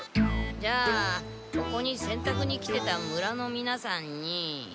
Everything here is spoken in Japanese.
じゃあここにせんたくに来てた村のみなさんに。